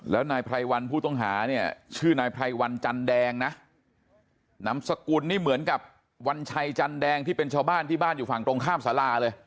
แล้วนายไภวันผู้ต้องหานี่ชื่อนายไภวันจันแล้ดน้ำสกุลเหมือนกับวัญชัยจันแล้งที่เป็นชาวบ้านอยู่ฝั่งตรงข้ามสารา